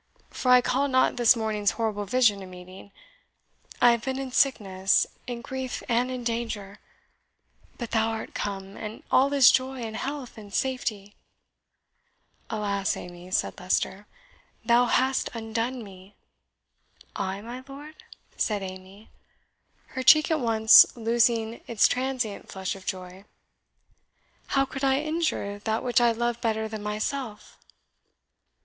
for I call not this morning's horrible vision a meeting. I have been in sickness, in grief, and in danger. But thou art come, and all is joy, and health, and safety!" "Alas, Amy," said Leicester, "thou hast undone me!" "I, my lord?" said Amy, her cheek at once losing its transient flush of joy "how could I injure that which I love better than myself?"